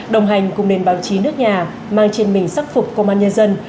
đồng hành cùng nền báo chí nước nhà mang trên mình sắc phục công an nhân dân